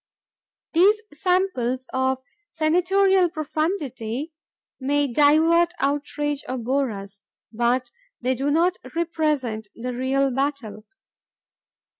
These samples of senatorial profundity may divert, outrage, or bore us, but they do not represent the real battle.